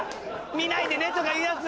見ないでねとか言うやつ。